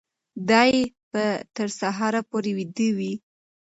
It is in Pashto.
دی به تر سهاره پورې ویده وي.